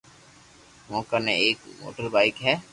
مون ڪني ايڪ موٽر بائيڪ ھي